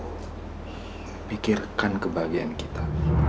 klikkan kebahagiaan kita